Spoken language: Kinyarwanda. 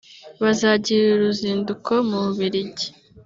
bazagirira uruzinduko mu Bubiligi